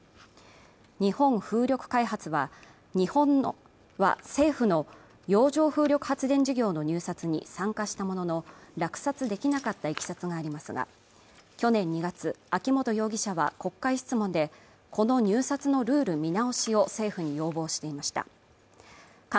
日本風力開発は日本は政府の洋上風力発電事業の入札に参加したものの落札できなかった経緯がありますが去年２月秋本容疑者は国会質問でこの入札のルール見直しを政府に要望していましたニューアクアレーベルオールインワン